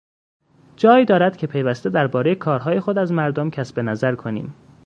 جای دارد که پیوسته دربارهٔ کارهای خود از مردم کسب نظر کنیم.